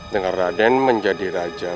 dengan raden menjadi raja